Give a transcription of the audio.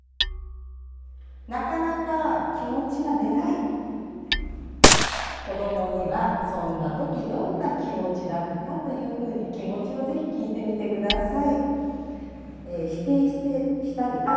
なかなか気持ちが出ない子どもには「そんな時どんな気持ちだった？」というふうに気持ちを是非聞いてみてください。